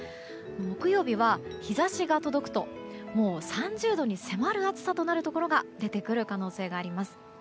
木曜日は、日差しが届くと３０度に迫る暑さとなるところが出てくる可能性があります。